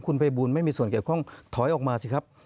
คุณภัยบูลไม่มีส่วนเกี่ยวข้องถอยออกมาสิครับ